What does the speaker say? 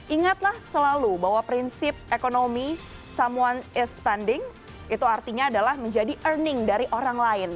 ingatlah selalu bahwa prinsip ekonomi some on is spending itu artinya adalah menjadi earning dari orang lain